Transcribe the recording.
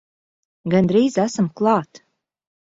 Gandrīz esam klāt!